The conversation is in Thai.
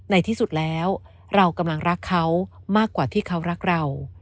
ในที่สุดแล้วเรากำลังรักเขามากกว่าที่เขารักเรา